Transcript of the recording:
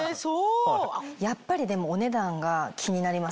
やっぱりお値段が気になりますよね。